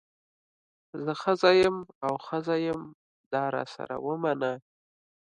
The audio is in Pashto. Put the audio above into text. زه ښځه یم او ښځه یم دا راسره ومنه.